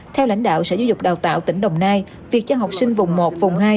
theo lãnh đạo sở giáo dục đào tạo tỉnh đồng nai việc cho học sinh vùng một vùng hai